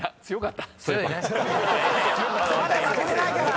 まだ負けてないから！